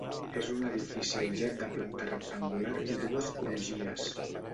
És un edifici aïllat de planta rectangular i dues crugies.